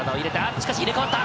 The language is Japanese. しかし入れ替わった。